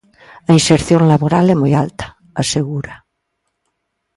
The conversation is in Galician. A inserción laboral é moi alta, asegura.